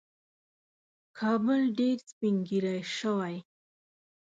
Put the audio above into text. کابل ډېر سپین ږیری شوی